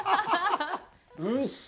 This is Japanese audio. うっそ。